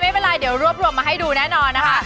ไม่เป็นไรเดี๋ยวรวบรวมมาให้ดูแน่นอนนะคะ